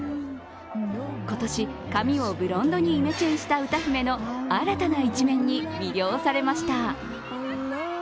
今年、髪をブロンドにイメチェンした歌姫の新たな一面に魅了されました。